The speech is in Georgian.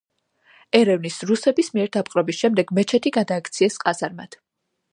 ერევნის რუსების მიერ დაპყრობის შემდეგ, მეჩეთი გადააქციეს ყაზარმად.